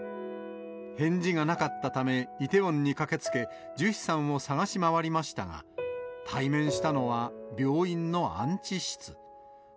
返事がなかったため、イテウォンに駆けつけ、ジュヒさんを捜し回りましたが、対面したのは病院の安置室。